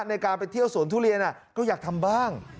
ในการไปเที่ยวสวนทุเรียนก็อยากทำบ้าง